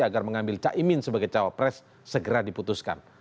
agar mengambil caimin sebagai cawapres segera diputuskan